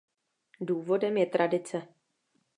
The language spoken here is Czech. Důvodem je tradice.